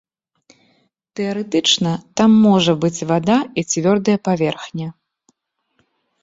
Тэарэтычна, там можа быць вада і цвёрдая паверхня.